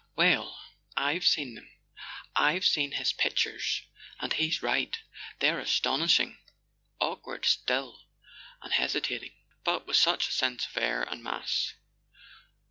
"Well—I've seen them; I've seen his pictures, and he's right. They're astonishing! Awkward, still, and hesitating; but with such a sense of air and mass.